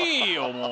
もう。